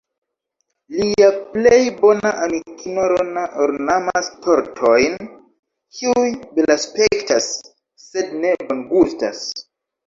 Lia plej bona amikino Rona ornamas tortojn, kiuj belaspektas sed ne bongustas.